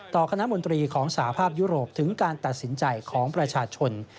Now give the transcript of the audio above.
คณะมนตรีของสหภาพยุโรปถึงการตัดสินใจของประชาชน